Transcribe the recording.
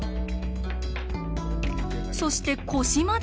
そして腰まで？